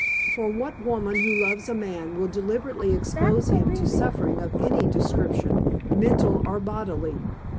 For what woman who loves a man will deliberately expose him to suffering of any description, mental or bodily?